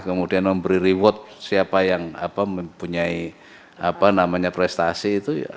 kemudian memberi reward siapa yang mempunyai prestasi itu